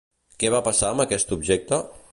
Què va passar amb aquest objecte?